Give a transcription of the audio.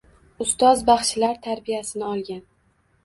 Ustoz baxshilar tarbiyasini olgan.